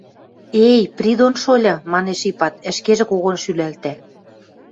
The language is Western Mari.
— Эй, Придон шольы, — манеш Ипат, ӹшкежӹ когон шӱлӓлтӓ.